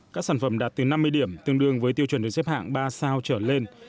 các sản phẩm đạt từ năm mươi điểm tương đương với tiêu chuẩn được xếp hạng ba sao trở lên